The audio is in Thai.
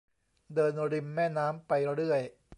เดินริมแม่น้ำไปเรื่อย